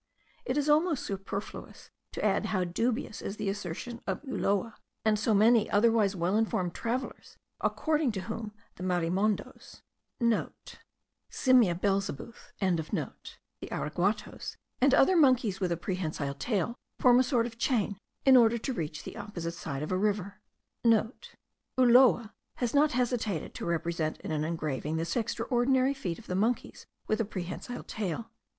It is almost superfluous to add how dubious is the assertion of Ulloa, and so many otherwise well informed travellers, according to whom, the marimondos,* (* Simia belzebuth.) the araguatos, and other monkeys with a prehensile tail, form a sort of chain, in order to reach the opposite side of a river.* (* Ulloa has not hesitated to represent in an engraving this extraordinary feat of the monkeys with a prehensile tail.